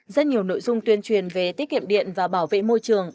rất nhiều nội dung tuyên truyền về tiết kiệm điện và bảo vệ môi trường